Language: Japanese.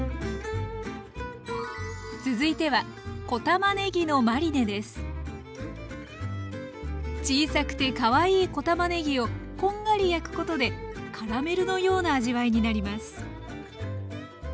続いては小さくてかわいい小たまねぎをこんがり焼くことでカラメルのような味わいになります。